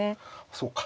そうか。